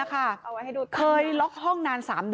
เจ้าของห้องเช่าโพสต์คลิปนี้